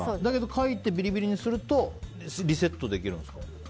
書いてビリビリにするとリセットできるんですか。